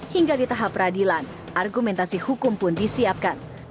hingga di tahap peradilan argumentasi hukum pun disiapkan